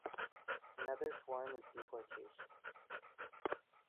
Another form is deportation.